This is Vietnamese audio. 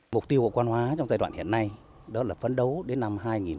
mục tiêu của quan hóa trong giai đoạn hiện nay đó là phấn đấu đến năm hai nghìn ba mươi